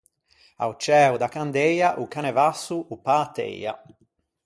A-o ciæo da candeia o canevasso o pâ teia.